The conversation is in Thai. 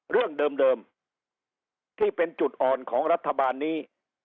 เรื่องเดิมที่เป็นจุดอ่อนของรัฐบาลนี้